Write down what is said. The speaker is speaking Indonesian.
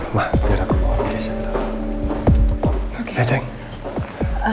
nah biar aku bawa ke kesan doang